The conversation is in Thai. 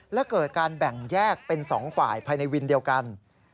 และเกิดการแบ่งแยกเป็น๒ฝ่ายภายในวินเดียวกัน